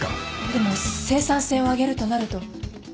でも生産性を上げるとなると社員の負担は